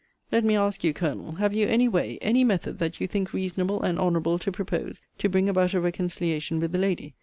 Let me ask you, Colonel, have you any way, any method, that you think reasonable and honourable to propose, to bring about a reconciliation with the lady?